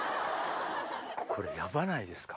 これヤバないですか？